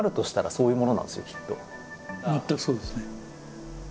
全くそうですね。